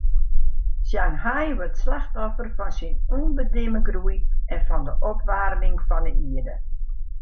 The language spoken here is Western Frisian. Shanghai wurdt slachtoffer fan syn ûnbedimme groei en fan de opwaarming fan de ierde.